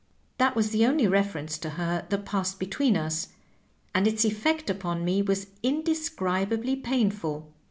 That was the only reference to her that passed between us, and its effect upon me was indescribably painful.